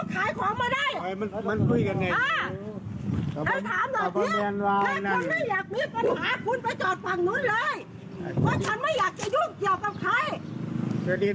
แต่ฉันบอกแล้วคุณเยาะเชียบมาตั้งหลักแบบนี้